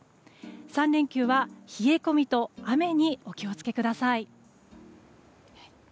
３連休は冷え込みと雨にお気を付けください。